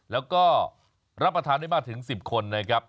แล้วก็รับประทานได้มากถึง๑๐คนนะครับ